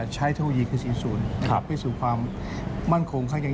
ใช้เท่ายีคือ๔๐ไปสู่ความมั่งคงคันการยืน